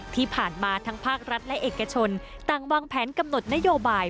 ที่ผ่านมาทั้งภาครัฐและเอกชนต่างวางแผนกำหนดนโยบาย